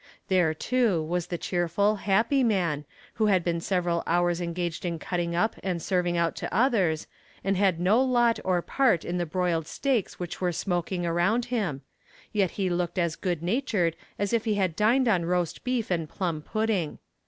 There, too, was the cheerful, happy man, who had been several hours engaged in cutting up and serving out to others, and had no lot or part in the broiled steaks which were smoking around him; yet he looked as good natured as if he had dined on roast beef and plum pudding.